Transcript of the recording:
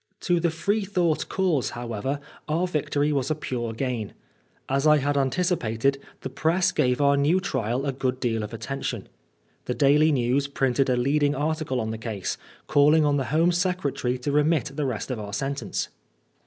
To the Freethought cause, however, our victory was a pure gain. As I had anticipated, the press gave our new trial a good deal of attention. The Daily News printed a leading article on the case, calling on the Home Secretary to remit the test of our sentence.